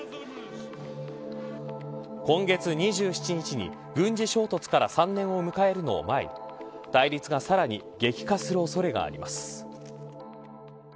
今月２７日に軍事衝突から３年を迎えるのを前に対立がさらに激化する恐れがあります。